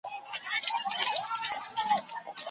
ذمي د مسلمان ورور په څېر حقوق لري.